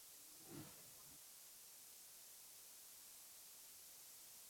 Carlbury Garden Centre is north of the Carlbury Arms, on Station Road.